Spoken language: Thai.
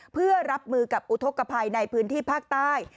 เพื่อรับมือกับอุทธกภัยในพื้นที่ภาคใต้